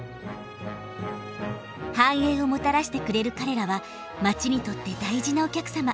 繁栄をもたらしてくれる彼らは街にとって大事なお客様。